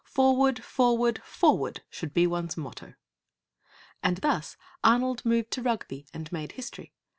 Forward, forward, forward, should be one's motto.' And thus Arnold moved to Rugby, and made history!